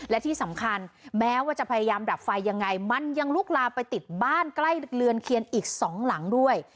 และที่สำคัญแม้ว่าจะพยายามดับไฟยังไงมันยังลุกลามไปติดบ้านใกล้เรือนเคียนอีกสองหลังด้วย